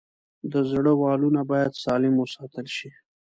د زړه والونه باید سالم وساتل شي.